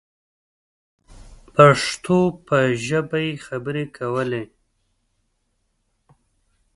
د پښتو په ژبه یې خبرې کولې.